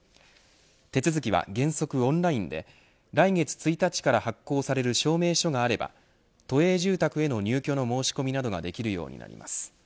手続きは原則オンラインで来月１日から発行される証明書があれば都営住宅への入居の申し込みなどができるようになります。